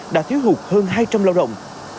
đã thiếu hụt hơn hai trăm linh lao động